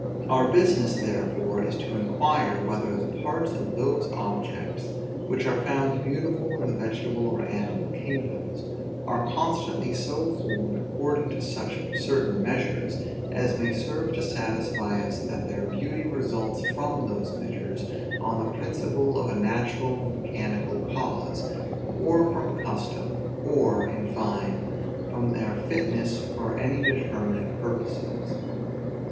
Our business therefore is to inquire, whether the parts of those objects, which are found beautiful in the vegetable or animal kingdoms, are constantly so formed according to such certain measures, as may serve to satisfy us that their beauty results from those measures, on the principle of a natural mechanical cause; or from custom; or, in fine, from their fitness for any determinate purposes.